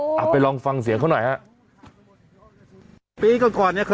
เอาไปลองฟังเสียงเขาหน่อยฮะปีก่อนก่อนเนี้ยเคย